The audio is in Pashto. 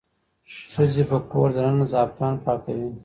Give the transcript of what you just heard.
ښځې په کور دننه زعفران پاکوي.